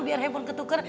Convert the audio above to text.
biar handphone ketuker